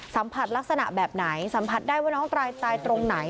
สัมผัสลักษณะแบบไหนสัมผัสได้ว่าน้องตายตรงไหน